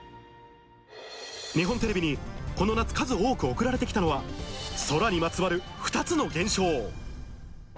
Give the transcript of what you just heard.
日本テレビに、この夏、数多く送られてきたのは、空にまつわる２つの現象。